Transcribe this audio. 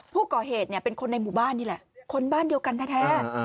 ผู้ก่อเหตุเนี่ยเป็นคนในหมู่บ้านนี่แหละคนบ้านเดียวกันแท้